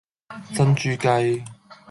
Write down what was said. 珍珠雞